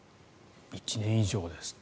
１年以上ですって。